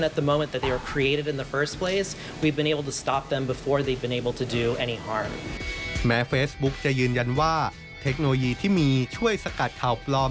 เทคโนโลยีที่มีช่วยสกัดข่าวปลอม